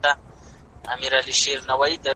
هغې وویل چې سوات زما د پلارني کلي د یادونو مرکز دی.